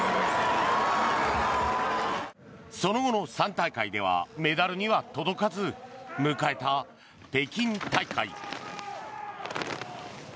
その後の３大会ではメダルには届かず迎えた北京大会。